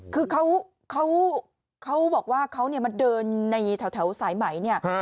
คือเขาบอกว่าเขามาเดินในแถวสายไหมเนี่ย